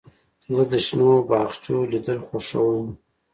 زه د شنو باغچو لیدل خوښوم.